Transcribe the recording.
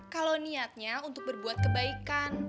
kalau niatnya untuk berbuat kebaikan